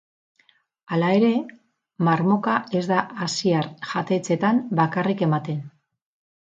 Hala ere, marmoka ez da asiar jatetxeetan bakarrik ematen.